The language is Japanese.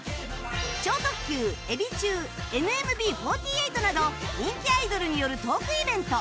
超特急エビ中 ＮＭＢ４８ など人気アイドルによるトークイベント